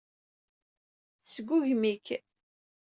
Tesgugem-ik.